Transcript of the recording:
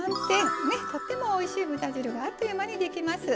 とってもおいしい豚汁があっという間にできます。